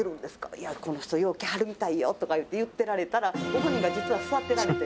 「“いやこの人よう来はるみたいよ”とか言ってられたらご本人が実は座ってられて」